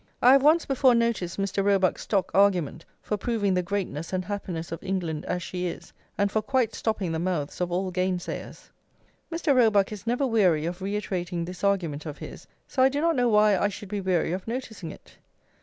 I have once before noticed Mr. Roebuck's stock argument for proving the greatness and happiness of England as she is, and for quite stopping the mouths of all gainsayers. Mr. Roebuck is never weary of reiterating this argument of his, so I do not know why I should be weary of noticing it.